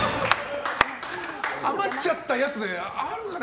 余っちゃったやつであるかな。